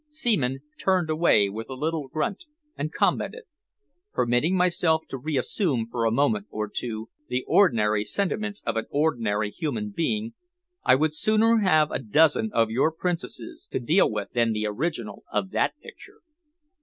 Seaman turned away with a little grunt, and commented: "Permitting myself to reassume for a moment or two the ordinary sentiments of an ordinary human being, I would sooner have a dozen of your Princesses to deal with than the original of that picture."